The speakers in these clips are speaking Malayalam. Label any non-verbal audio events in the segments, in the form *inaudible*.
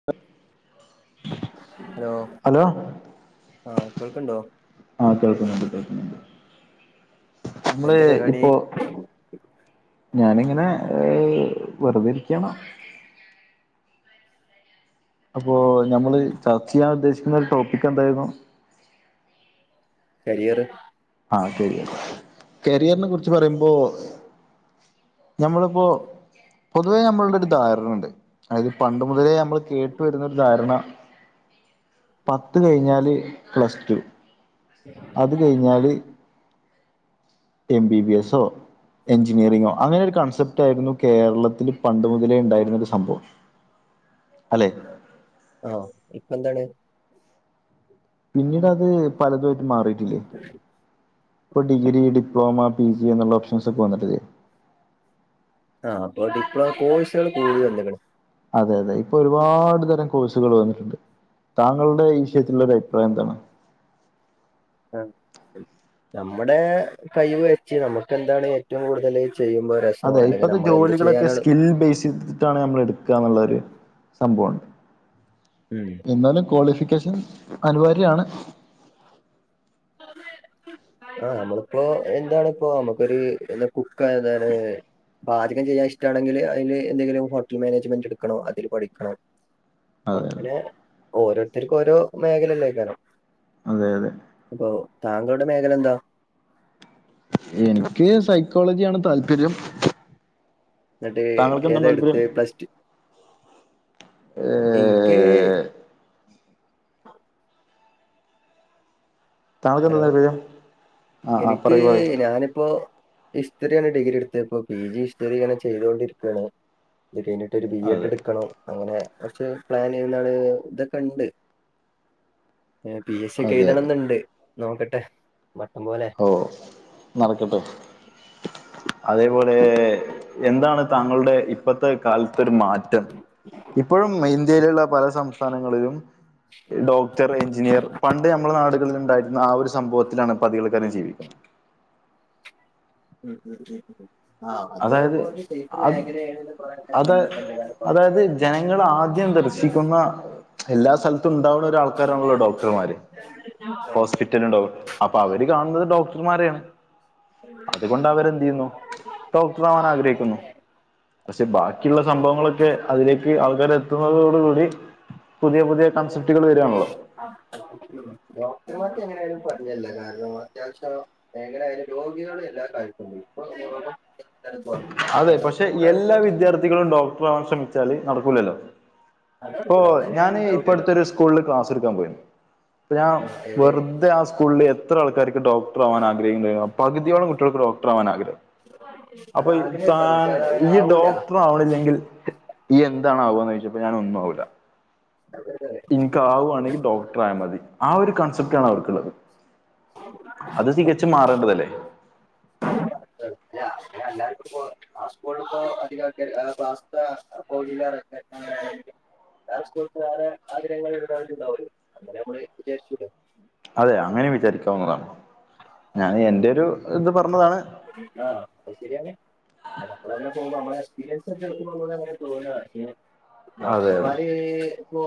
*unintelligible* ഹലോ ഹലോ ആഹ് കേൾക്ക്ണ്ടോ ആഹ് കേൾക്കുന്നുണ്ട് കേൾക്കുന്നുണ്ട് നമ്മള് എന്താ പരിപാടി ഇപ്പോ ഞാനിങ്ങനെ ഏ വെറുതിര്ക്ക്യാണ്. അപ്പോ ഞമ്മള് ചർച്ചെയ്യാൻ ഉദ്ദേശിക്കുന്ന രു ടോപ്പിക്ക് എന്തായിര്ന്നു. കരിയറ് ആഹ് ശരി കരിയർനെ കുർച്ച് പറയുമ്പോ. നമ്മളിപ്പോ പൊതുവേ നമ്മൾടെ ഒരു ധാരണണ്ട് അതായത് പണ്ട് മുതലേ നമ്മള്. കേട്ട് വരുന്ന ഒരു ധാരണ പത്ത് കഴിഞ്ഞാല് പ്ലസ് ടു അത് കയ്ഞ്ഞാല്. എം ബി ബി എസ് ഓഹ് എഞ്ചിനീയറിങ്ങോ അങ്ങനെയൊരു കൺസെപ്റ്റായിരുന്നു കേരളത്തില് പണ്ട് മുതലേ ഇണ്ടായിരുന്ന ഒരു സംഭവം അലെ. ആഹ് ഇപ്പന്താണ്? പിന്നീട് അത് പലതുംമായിട്ട് മാറിട്ടില്ലേ അ്ഹും. പ്പ ഡിഗ്രി ഡിപ്ലോമ പി ജി എന്നുള്ള ഓപ്ഷൻസൊക്കെ വന്ന്ട്ട് ല്ലേ? ആഹ് അപ്പൊ ഡിപ്ലോ കോഴ്സുകള് *unintelligible* അതെ അതെ പ്പൊരുപാട് തരം കോഴ്സുകൾ വന്നിട്ടുണ്ട്. താങ്കളുടെ ഈ വിഷയത്തിലുള്ള ഒരു അഭിപ്രായം എന്താണ് അഹ് ശ- നമ്മുടെ കൈവ് വെച്ച് നമുക്ക് എന്താണ് ഏറ്റവും കൂടുതല് ചെയ്യുമ്പോ രസം അതെ അല്ലെങ്കിൽ ഇപ്പത്തെ നമ്മൾ എന്ത് ജോലികളൊക്കെ ചെയ്യാനാണ് സ്കിൽ ബേസ് ചെയ്തിട്ടാണ് നമ്മൾ എടുക്കുക എന്നുള്ളൊരു സംഭവുണ്ട് ഉം എന്നാലും ക്വാളിഫിക്കേഷൻ അനിവാര്യാണ്. *inaudible* ആഹാ നമ്മളിപ്പോഎന്താണ്, ഇപ്പോ നമുക്കൊരു എന്താ കുക്കന്താണ്- പാചകം ചെയ്യാ ഇഷ്ടാണെങ്കില് അയ്ല് എന്തെങ്കിലും ഹോട്ടൽ മാനേജ്മെന്റ്ട്ക്കണോ അതില് പഠിക്കണോ. അതെ അതെ അങ്ങനെ ഓരോരുത്തർക്ക് ഓരോ മേഘലല്ലേക്കാരം. അതെ അതെ. പ്പൊ താങ്കളുടെ മേഖല എന്താ? എനിക്ക് സൈക്കോളജിയ ആാണ് താല്പര്യം ന്നിട്ട് താങ്കൾക്ക് എന്താണ് ഏതാ താല്പര്യം എടുത്തേ പ്ലസ് ടു ഇൻക്ക് ഏഹ് *unintelligible* താങ്കൾക്ക് എന്താ ഹലോ താല്പര്യം ആ ആ എനിക്ക് പറയൂ പറയൂ ഞാനിപ്പോ ഹിസ്റ്ററ്യണ് ഡിഗ്രിട്ത്ത പ്പൊ പി ജി ഹിസ്റ്ററിങ്ങനെ ചെയ്തോണ്ടിര്ക്കാണ്. ത് കയ്ഞ്ട്ടൊരു ബി എഡ് അതെ ഇട്ക്കണം അങ്ങനെ കൊർച്ച് പ്ലാൻ എന്താണ് തൊക്കണ്ട്. പി എസ് സി ഒക്കെ അതെ അതെ എഴുതണംന്ന്ണ്ട് നോക്കട്ടെ മട്ടം പോലെ. ഓഹ് നടക്കട്ടെ അതേപോലെ എന്താണ് താങ്കളുടെ ഇപ്പത്തെ കാലത്തെ ഒരു മാറ്റം ഇപ്പഴും ഇന്ത്യയിലുള്ള പല സംസ്ഥാനങ്ങളിലും ഡോക്ടർ, എഞ്ചിനീയർ പണ്ട് ഞമ്മളെ നാടുകളിൽ ഇണ്ടായിരുന്ന ആ ഒരു സംഭവത്തിലാണ് പതികൾക്കാരെ ജീവിക്കുന്നത്. *unintelligible* ആഹ് അതായത് അതാമ്പോ ഒരു സേഫ് അത് മേഖലയേണ്ത് കൊറേ ആൾക്കാര് അത് കണ്ടത്ത്ണ്ട് *unintelligible* കൊർച്ച്. ശിക്കുന്ന. എല്ലാ സ്ഥലത്തും ഉണ്ടാവുന്നഒരാൾ ക്കാരാണല്ലോ ഡോക്ടർമാര് ഹോസ്പിറ്റലിലുംഡോ അപ്പൊ അവര് കാണുന്നത് ഡോക്ടർമാരെയാണ് അതുകൊണ്ട് അവര് എന്ത് ചെയ്യുന്നു *unintelligible* ആവാൻ ആഗ്രഹിക്കുന്നു പക്ഷെ ബാക്കിയുള്ള സംഭവങ്ങളൊക്കെ അതിലേക്ക് ആൾക്കാർ എത്തുന്നതോടുകൂടി പുതിയ പുതിയ കൺസെപ്റ്റുകൾ വരുവാണല്ലോ ഡോക്ടർമാർക് എങ്ങനെയാലും പറഞ്ഞല്ല കാരണം അത്യാവശ്യം എങ്ങനെ അയ്ന് രോഗികള് ഇല്ലാണ്ടായിപോയി പ്പൊ രോഗ അതെ പക്ഷെ എല്ലാ വിദ്യാർത്ഥികളും ഡോക്ടറാവാൻ ശ്രമിച്ചാല് നടക്കൂലല്ലോ. ഇപ്പൊ അതറിയില്ല അതെങ്ങനെയാലും ഞാനീ ഉണ്ടാവില്ലല്ലോ ഇപ്പടുത്തൊരു സ്കൂളില് ക്ലാസ് എടുക്കാൻ പോയിരുന്നു ഇപ്പാ ഞാ ആ, എവിടെയാണ് വെറുതെ ആ സ്കൂളിൽ എത്ര ആൾക്കാർക്ക് ഡോക്ടർ ആവാൻ ആഗ്രഹിക്കണ്ടായിരുന്നു പകുതിയളംകു ഒരു ഡോക്ടർ ആവാൻ ആഗ്രഹം അപ്പൊ *unintelligible* താൻ അത് അവന് ഈ ആവൂല ഡോക്ടർ ആവണില്ലെങ്കിൽ എന്താണ് ആകുവാന്ന് ചോദിച്ചപ്പോ ഞാൻ ഒന്നും ആവൂല *unintelligible* ഇനിക്കാവുവാണെങ്കി ഡോക്ടറായാ മതി ആ ഒരു കൺസെപ്റ്റാണ് അവർക്കുള്ളത് അത് തികച്ചും മാറേണ്ടതല്ലേ *unintelligible* ജ്ജ. പിന്നെ എല്ലാർക്കും ഇപ്പോ ആ സ്കൂളില് ഇപ്പോ അധികം ആൾക്കാര് *unintelligible* വേറെ സ്കൂളിൽ പോയാ വേറെ ആഗ്രഹങ്ങൾ ഉണ്ടാവല്ലോ അങ്ങനെ നമ്മള് വിചാരിച്ചൂടെ അതെ അങ്ങനെ വിചാരിക്കാവുന്നതാണ് ഞാന് എന്റെരു ത് പർഞ്ഞതാണ്. ആഹ് അത് ശരിയാണ് നമ്മൾ അങ്ങനെ പോകുമ്പോ നമ്മളെ എക്സ്പീരിയൻസ് വച്ച് എടുക്കുമ്പോ നമ്മക്ക് അങ്ങനെ തോന്നാ അതെ ഡോക്ടർമാര് പീ പൊ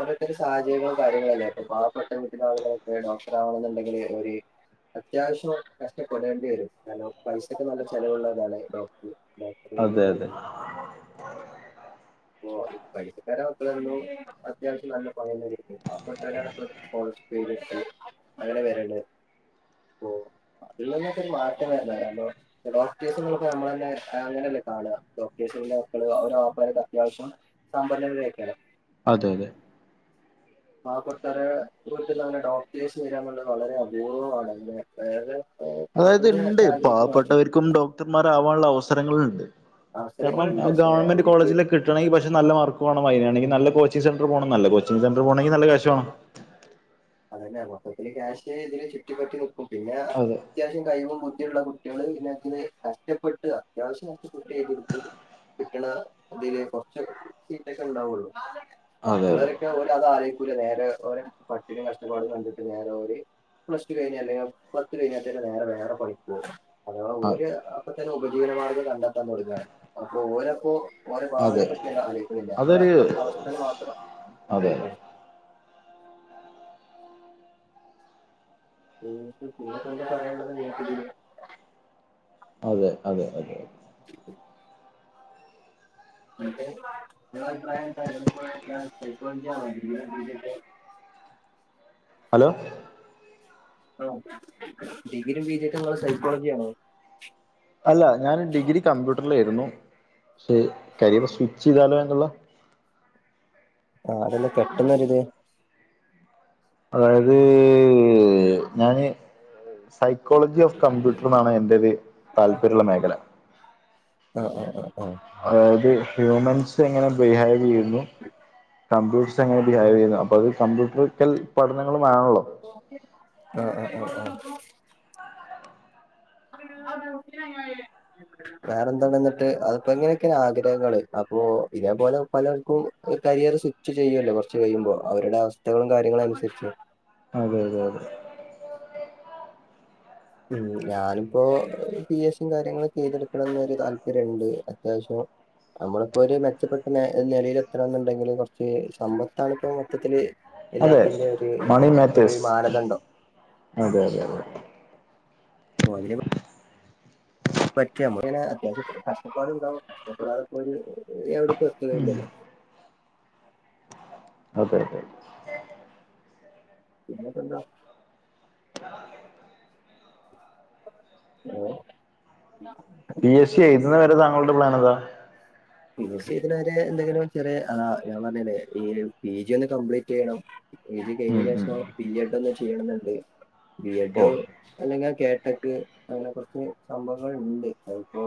ഓരോര്ത്തര സാഹചര്യങ്ങളും കാര്യങ്ങളല്ലെ പ്പ പാവപ്പെട്ട വീട്ടിലാളുകളൊക്കെ ഡോക്ടറാവുന്നുണ്ടെങ്കില് ഒര്. അത്യാവശ്യം കഷ്ടപ്പെടേണ്ടി വരും കാരണം പൈസക്ക് നല്ല ചെലവുള്ളതാണ് ഡോക് അതെ അതെ. ഓഹ് പൈസക്കാരെ മക്കൾ എന്നും അത്യാവശ്യം നല്ല പണി തന്നെ കിട്ടും പാവപ്പെട്ടോര് *unintelligible* അങ്ങനെ വരട് ഹോ. ഇള്ളേനേത്തൊക്കെ മാറ്റം വരണിണ്ടല്ലോ ഡോക്ടേഴ്സ്ന്ന്ള്ളപ്പം നമ്മളന്നെ അങ്ങനെല്ലേ കാണ ഡോക്ടേഴ്സിന്റെ മക്കള് ഓരൊ അത്യാവശ്യം സമ്പന്നരയ്ക്കാരം അതെ അതെ പാവപ്പെട്ടോരെ *unintelligible* ഡോക്ടേഴ്സ് വരാന്ന്ള്ളത് വളരെ അപൂർവ്വമാണെന്റെ വേറെ കുറഞ്ഞ അതായത്ണ്ട് സാഹചര്യത്തിൽ മാത്രം പാവപ്പെട്ടവര്ക്കും ഡോക്ടർമാരാവാള്ള അവസരങ്ങള്ണ്ട്. കാരണം ആ അവസരങ്ങളുണ്ട് പക്ഷെ ഗവൺമെന്റ് അതിലേക്ക് കോളേജിലെക്കി കിട്ടണങ്കില് പക്ഷേ നല്ല മാർക്ക് വാണം അയിനാണങ്കിൽ നല്ല കോച്ചിങ് സെന്റർ പോവണം നല്ല കോച്ചിങ് സെന്റർ പോണങ്കിൽ നല്ല കാശ് വാണം. അതന്നെ മൊത്തത്തില് ക്യാഷ് ഇതില് ചുറ്റി പറ്റി നിക്കും പിന്നെ അതെ അത്യാശ്യം കഴിവും ബുദ്ധിയുള്ള കുട്ടെൾ പിന്നെന്ന് കഷ്ടപ്പെട്ട് അത്യാവശ്യ *unintelligible* കിട്ട്ണ തില് കൊറ്ച്ച് സീറ്റൊക്കെണ്ടാവുള്ളൂ. അതെ അതെ ബാക്കിയുള്ളവരൊക്കെ ഓര് അത് ആലോയിക്കൂല നേരെ ഓലെ പട്ടിണിം കഷ്ടപ്പാടും കണ്ടിട്ട് നേരെ ഓല് പ്ലസ്റ്റു കഴിഞ്ഞാല് പത്ത് കഴിഞ്ഞാല് നേരെ വേറെ പണിക്ക് പോകും. അഥവാ അ ഓര് അപ്പതന്നെ ഉപജീവനമാർഗ്ഗം കണ്ടെത്താൻതൊട്ങ്ങാണ്. അപ്പൊ ഓരപ്പോ ഓരെ അതെ ഭാവിയെപറ്റിയല്ലാം ആലോയ്ക്ക്ണില്ല ഓരെ അതൊരു അവസ്ഥ അവസ്ഥൽ മാത്രം അതെ അലൊയ്ക്ക്ണ *inaudible* അതെ അതെ അതെ *inaudible* എന്നിട്ട് നിങ്ങളെ അഭിപ്രായന്താ എന്നോട്പ്പോ സൈക്കോളജിയാണോ *unintelligible* ഹലോ ആഹ് ഡിഗ്രിം പീജിം നിങ്ങള് സൈക്കോളജിയാണോ അല്ല ഞാൻ ഡിഗ്രി കമ്പ്യൂട്ടർലെര്ന്നു പക്ഷെ കരിയർ സ്വിച്ചെയ്താലോയെന്നുള്ള കാരണം പെട്ടെന്നൊരു ഇത് അതായത് ഞാന് സൈക്കോളജി ഓഫ് കമ്പ്യൂട്ടർന്നാണ് എന്റൊരു താല്പര്യള്ള മേഖല. ആ അ അ അ അതായത് ഹ്യൂമൻസ് എങ്ങനെ ബിഹേവ് ചെയ്യുന്നു കമ്പ്യൂട്ട്സെങ്ങനെ ഡിഹൈവ് ചെയ്യുന്നു അപ്പത് കമ്പ്യൂട്ടറിക്കൽ പഠനങ്ങളുമാണല്ലോ. കോപ്പിയല്ല ആഹ് ആഹ് ആഹ് *unintelligible* വേറെന്താണ്ങ്ങട്ട് അതിപ്പോ ഇങ്ങനെയൊക്കെയാണ് ആഗ്രഹങ്ങള് അപ്പൊ ഇതോ പോലെ പലർക്കും കരിയർ സ്വിച്ച് ചെയ്യല്ലോ കുറച്ച് കയ്യ്മ്പോ അവരുടെ അവസ്ഥകളും കാര്യങ്ങളും അനുസരിച്ച്. അതെ അതെ അതെ ഉം ഞാനിപ്പോ പി എസിം കാര്യങ്ങളൊക്കെ എഴുതിയൊടുക്കണന്ന് ഒര് താല്പര്യണ്ട് അത്യാവശ്യം നമ്മള്പ്പോ ഒരു മെച്ചപ്പെട്ട നെലയിൽ ത്തണംന്ന്ണ്ടെങ്കില് കൊറ്ച്ച് സമ്പത്താണ്പ്പോ മൊത്തത്തില് അതെ എല്ലാത്തിന്റെ ഒരു മണി ഒരു മാറ്റേഴ്സ് മാനദണ്ഡം അതെ അതെ അതെ *unintelligible* പറ്റ്യമ്മ ങ്ങനെ അത്യാവശ്യം കഷ്ടപ്പാടുണ്ടാവും കഷ്ടപ്പെടാതെ പ്പൊരു എവിടെപ്പോ ഉം എത്തുകല്ലല്ലോ. അതെ അതെ പിന്നെപ്പെന്താ? ആ ന്നാ പി എസ് സി എഴുതുന്ന വരെ താങ്കളുടെ പ്ലാൻ ഏതാ? പിഎസ് സി എയ്തിണെരെ എന്തെങ്കിലും ചെറിയ ആഹ് ഞാ പറ്ഞ്ഞിലെ ഈഹ് പി ജി യൊന്ന് കംപ്ലീറ്റെയ്യണം. ഉം ഉം എയ്തികഴിഞ്ഞേനെശം ബിഎഡൊന്ന് ചെയ്യണന്ന്ണ്ട്. ഓ ബിഎഡൊ അല്ലെങ്കിൽ ആ കേട്ടട്ട് അങ്ങനെ കൊറച്ച് സംഭവങ്ങള്ണ്ട് അതിപ്പോ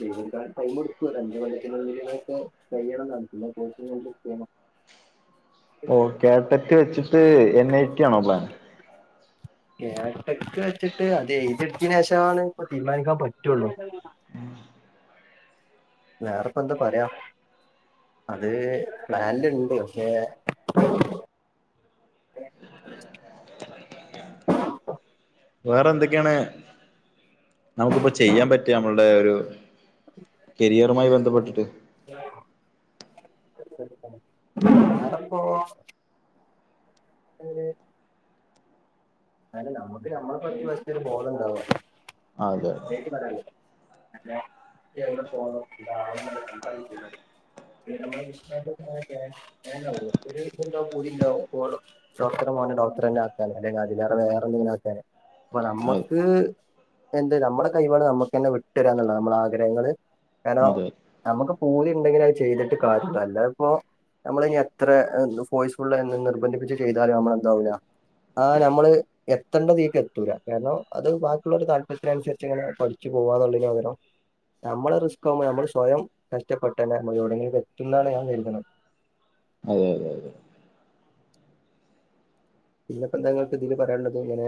പിന്നെന്താ ടൈമ് ഒരഞ്ച് കൊല്ലത്തിനുള്ളിലൊക്കെ കയ്യണന്നാണ് പിന്നെ *unintelligible* ചെയ്യണം. ഓഹ് കേട്ടക്ക് വെച്ചിട്ട് എൻ ഐടി ആണോ പ്ലാൻ? കേട്ടക്ക് വെച്ച്ട്ട് അത് എഴുതിട്തീനേ ഷാണ് ഇപ്പ തീരുമാനിക്കാൻ പറ്റുള്ളു. വേറെപ്പന്താ പറയാ അത് പ്ലാനില്ണ്ട് പക്ഷേ *inaudible* വേറെ എന്തൊക്കെയാണ് നമുക്ക്പ്പോ ചെയ്യാംപറ്റാ നമ്മൾടെ ഒരു കെരിയറുമായി ബന്ധപ്പെട്ടിട്ട് അതെപ്പൊ? ഒര് കാരണം നമ്മക്ക് നമ്മളെ പറ്റി വല്ല്യബോധണ്ടാവ അതെ പ്രത്യോഗിച്ച് *unintelligible* *inaudible* പിന്ന നമ്മള് വിശദായിട്ട് *unintelligible* ഒരു ഒര്ത്ണ്ടാവുംപൂതിണ്ടാവും ഓള് ഡോക്ടറെ മോനെ ഡോക്ടറന്നെ ആക്കാന് അല്ലങ്കിൽ അതിലേറെ വേറെ എന്തെങ്കിലും ആക്കാന് അപ്പ അതെ നമ്മക്ക് എന്ത് നമ്മടെ കൈവാണ് നമക്കന്നെ വിട്ടു തരാന്നുള്ള നമ്മളെ ആഗ്രഹങ്ങള് കാരണം അതെ നമ്മക്ക് പൂതി ഇണ്ടങ്കിലെ അത് ചെയ്തിട്ട് കാര്യള്ളു അല്ലാപ്പോ നമ്മളെനി എത്രഫോഴ്സ്ഫുൾഎന്ന് നിർബന്ധിപ്പിച്ച് ചെയ്താലും നമ്മളെന്താവൂല *unintelligible* നമ്മള് എത്തണ്ടതീക്ക് എത്തൂല കാരണം അത് ബാക്കിയുള്ളരുടെ താല്പര്യത്തിനനുസരിച്ച് ഇങ്ങനെ പഠി ക്ക് പോവാനുള്ളതിന് പകരം നമ്മള് റിസ്ക്കാവ്മ്പോൾ നമ്മള് സ്വയം കഷ്ട്ടപ്പെട്ടന്നെ നമള് യോടെങ്കിലൊക്കെത്തുന്നാണ് ഞാൻ കരുതുന്നത്. അതെ അതെ അതെ പിന്നെപ്പ എന്താ നിങ്ങൾക്ക് ഇതില് പറയാനുള്ളത് ഇങ്ങനെ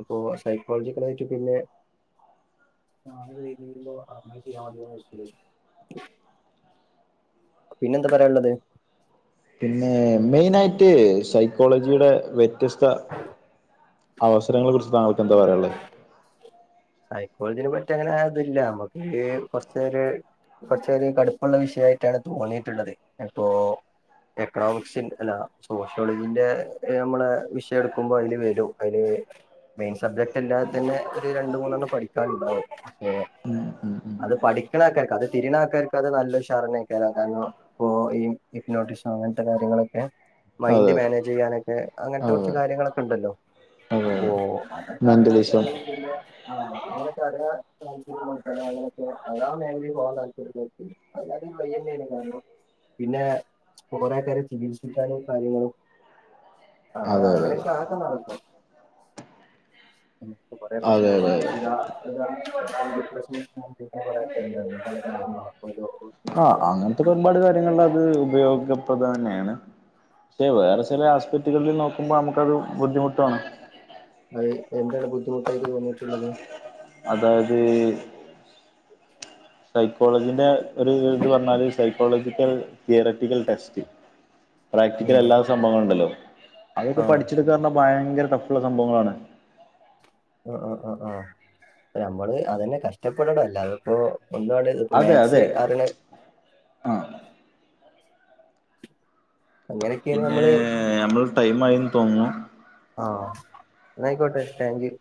അപ്പൊ സൈക്കോളജിക്കലായിട്ട് പിന്നെ *unintelligible* അങ്ങനെ ചെയ്യാമതിന്നൊ *unintelligible* പിന്നെന്താ പറയാള്ളത്? പിന്നെ മെയിനായിട്ട് സൈക്കോളജിയുടെ വ്യത്യസ്ത അവസ് തരങ്ങളെ കുറിച്ച് താങ്കൾക്ക് എന്താ പറയാള്ളെ സൈക്കോള്ജിനെ പറ്റിങ്ങനെ ആ തില്ല നമ്മക്ക് കൊറ്ചൊര് കുറചധികം കട്പ്പള്ള വിഷയയ്ട്ടാണ് തോന്നിട്ട്ള്ളത്. അപ്പോ എക്കണോമിക്സിൻ അല്ല സോഷ്യോളജീന്റെ നമ്മളെ വിഷയം എടുക്കുമ്പോ അയില് വരും. അയില് മെയ്ൻ സബ്ജക്ട്ല്ലാതെ തന്നെ ഒരു രണ്ട് മൂന്നെണ്ണം പഠിക്കാന്ണ്ടാവും ഏഹ് അത് പഠിക്ണ ആക്കാർക്ക് അത് തിരിണ ആക്കാർക്ക് അത് നല്ലശാറെന്നെക്കാരം കാര്ണം- ഇപ്പോ ഈ ഇപ്നോട്ടിസം അങ്ങനത്തെ കാര്യങ്ങളൊക്കെ മൈന്റ് അതെ മേനേജെയ്യാനെക്കെ അങ്ങൻത്തെ കൊറ്ച്ച് അതെ കാര്യങ്ങളൊക്ക ണ്ടല്ലോ *unintelligible* *unintelligible* മെന്റലിസം ചെലവു മില്ലെ? ആ അങ്ങനൊക്കെ അറിയാൻ താൽപര്യളോൽക്ക് അങ്ങനൊത്തെ അതെ മേഖലയിൽപോകാൻ താൽപര്യലോൽക്ക് എല്ലാത്തിനും വൈയ്യെന്നേനെ കാരണം പിന്നെ കൊറെ പേരെ ചികിത്സിക്കാനും കാര്യങ്ങളും *inaudible* അതാ അതെ അതെ അങ്ങനെക്കെ ആ ഒക്കെ നടക്കും ന്നിട്ടും കൊറെ അതെ പ്രശ്നങ്ങൾ അതെ അതെ മാറീട്ടില്യാ. *unintelligible* ആ അങ്ങനത്തെക്കെ ഒരുപാട് കാര്യങ്ങള് അത് ഉപയോഗ തന്നെണ് പക്ഷേ വേറെ ചെല ആസ്പത്രികളിൽ നോക്കുമ്പോൾ നമുക്കത് ബുദ്ധിമുട്ട്‌വാണ്. അഹ് എന്താണ് ബുദ്ധിമുട്ടായിട്ട് തോന്നിട്ടുള്ളത് അതായത് സൈക്കോളജിന്റെ ഒരു ഇത് പറഞ്ഞാല് സൈക്കോളജിക്കൽ തിയററ്റിക്കൽ ടെസ്റ്റ് ഉം. പ്രാക്ടിക്കലല്ലാത്ത സംഭവങ്ങള്ണ്ടല്ലോ അതൊക്കെ ആ പഠിച്ചെടുക്കാർഞ്ഞ ഭയങ്കര ടഫ്ള്ള സംഭവങ്ങളാണ്. ആ ആ ആ ആ നമ്മള് അതന്നെ കഷ്ടപ്പെടണം അല്ലാതപ്പോ ഒന്നാണ്ട് അതെ അതെ ആഹ് അങ്ങനെയൊക്കെയാണ് പിന്നെ നമ്മള് മ്മൾ ടൈം ആയിന്ന്തോന്ന്ന്നു. ആഹ് ന്നായ്ക്കോട്ടെ താങ്ക് യു